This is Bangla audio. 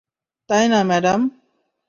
তাই না, অ্যাডাম?